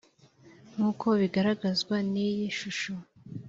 Nk’uko bigaragazwa n’iyi shusho